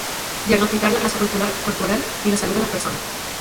diagnosticar la grasa corporal ni la salud de las personas